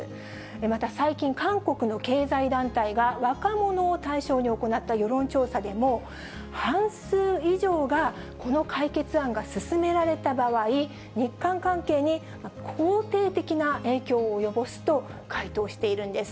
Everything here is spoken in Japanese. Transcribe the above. また最近、韓国の経済団体が若者を対象に行った世論調査でも、半数以上がこの解決案が進められた場合、日韓関係に肯定的な影響を及ぼすと回答しているんです。